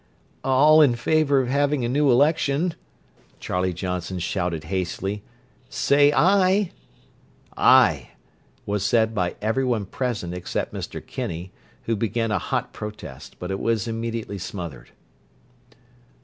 "All in favour of having a new election," Charlie Johnson shouted hastily, "say, 'Aye'!" "Aye" was said by everyone present except Mr. Kinney, who began a hot protest, but it was immediately smothered.